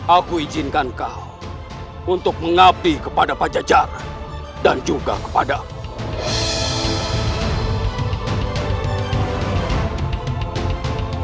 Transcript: aku izinkan kau untuk mengabdi kepada pajajaran dan juga kepada amu